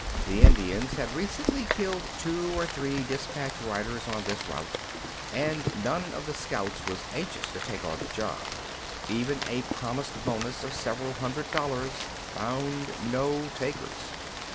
The Indians had recently killed two or three dispatch riders on this route, and none of the scouts was anxious to take on the job. Even a promised bonus of several hundred dollars found no takers.